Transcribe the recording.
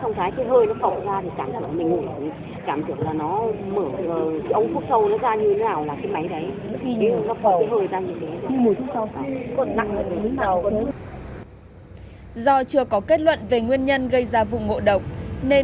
xong cái thì ông chủ quản của cái ca đêm đấy ông hỏi cái thằng nhóm trưởng bảo tại sao lại thế